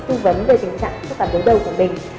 tu vấn về tình trạng khớp cắn đối đầu của mình